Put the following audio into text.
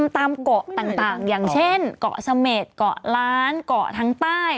ตามเกาะต่างอย่างเช่นเกาะเสม็ดเกาะล้านเกาะทางใต้